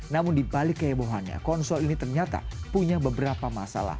namun dibalik kehebohannya konsol ini ternyata punya beberapa masalah